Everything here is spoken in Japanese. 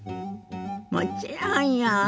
もちろんよ。